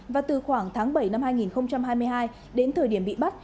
và từ khoảng tháng bảy năm hai nghìn hai mươi hai đến thời điểm bị bắt